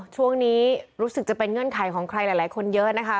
ช่วงนี้รู้สึกจะเป็นเงื่อนไขของใครหลายคนเยอะนะคะ